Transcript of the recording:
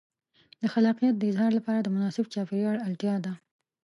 د خلاقیت د اظهار لپاره د مناسب چاپېریال اړتیا ده.